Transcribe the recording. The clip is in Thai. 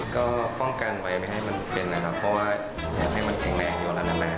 ก็ป้องกันไว้ไม่ให้มันเป็นนะครับเพราะว่าอยากให้มันแข็งแรงอยู่แล้วนาน